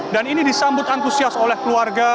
dan ini disambut antusias oleh keluarga